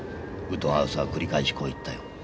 ウッドハウスは繰り返しこう言ったよ。